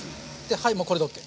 はいもうこれでＯＫ。